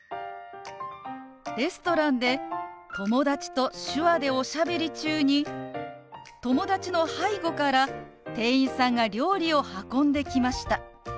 レストランで友達と手話でおしゃべり中に友達の背後から店員さんが料理を運んできました。